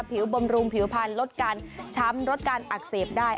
บำรุงผิวพันธุ์ลดการช้ำลดการอักเสบได้